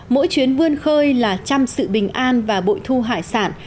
mỗi chuyến vươn khơi là chăm sự bình an và bội thu hải sản